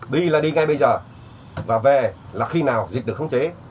đi là đi ngay bây giờ và về là khi nào dịch được khống chế